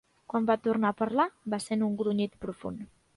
Quan va tornar a parlar, va ser en un grunyit profund.